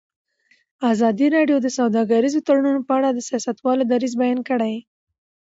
ازادي راډیو د سوداګریز تړونونه په اړه د سیاستوالو دریځ بیان کړی.